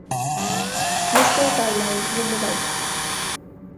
Mister Carlyle, ধন্যবাদ।